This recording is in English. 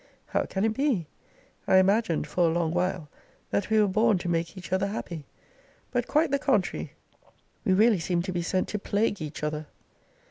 How can it be? I imagined, for a long while, that we were born to make each other happy: but quite the contrary; we really seem to be sent to plague each other.